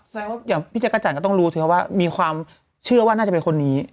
ว่าอย่างพี่จักรจันทร์ก็ต้องรู้สิครับว่ามีความเชื่อว่าน่าจะเป็นคนนี้